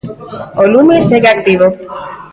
O lume segue activo.